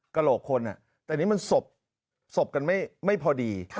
แต่อันนี้มันศบกันไม่พอดี